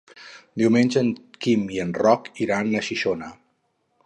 Diumenge en Quim i en Roc iran a Xixona.